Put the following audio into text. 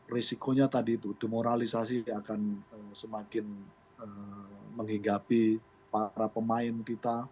risikonya tadi itu demoralisasi akan semakin menghinggapi para pemain kita